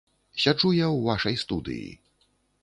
Сяджу я ў вашай студыі.